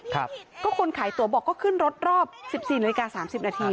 ก็คนขายตัวบอกก็ขึ้นรถรอบ๑๔นาฬิกา๓๐นาที